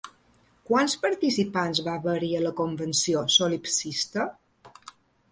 Quants participants va haver-hi a la convenció solipsista?